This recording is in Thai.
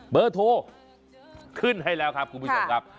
เบอร์โทรขึ้นให้แล้วครับคุณผู้ชมครับ